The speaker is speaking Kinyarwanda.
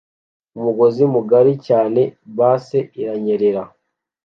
Umugozi mugari cyane bus iranyerera